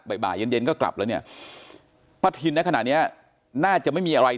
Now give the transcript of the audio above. บ่ายเย็นเย็นก็กลับแล้วเนี่ยป้าทินในขณะเนี้ยน่าจะไม่มีอะไร